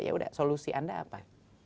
ya udah solusi anda apa